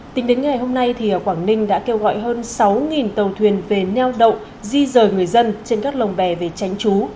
tính đến ngày hôm nay quảng ninh đã kêu gọi hơn sáu tàu thuyền về neo đậu di rời người dân trên các lồng bè về tránh trú